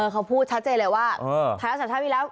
เขาพูดชัดเจนเลยว่าภาคศาสตร์ชาติมีแล้ว